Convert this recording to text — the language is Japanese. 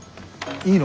いいの？